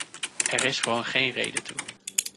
Er is gewoon geen reden toe.